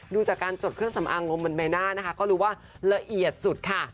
ดูจากการจดเครื่องสำอางงบนใบหน้านะคะก็รู้ว่าละเอียดสุดค่ะ